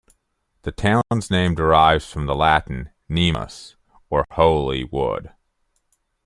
The town's name derives from the Latin "nemus", or "holy wood".